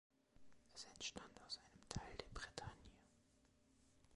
Es entstand aus einem Teil der Bretagne.